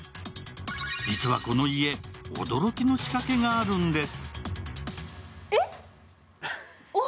実はこの家、驚きの仕掛けがあるんです。